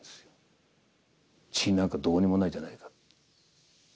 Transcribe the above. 塵なんかどこにもないじゃないか。